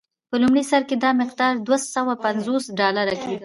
په لومړي سر کې دا مقدار دوه سوه پنځوس ډالر کېدل.